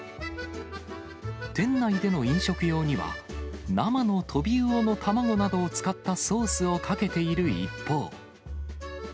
店内での飲食用には、生のトビウオの卵などを使ったソースをかけている一方。